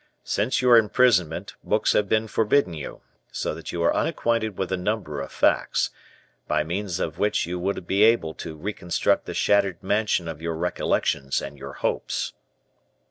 Since your imprisonment, books have been forbidden you; so that you are unacquainted with a number of facts, by means of which you would be able to reconstruct the shattered mansion of your recollections and your hopes."